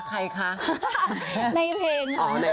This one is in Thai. ใครคะใครคะ